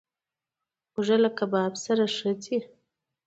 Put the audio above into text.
اوړه د کباب سره ښه ځي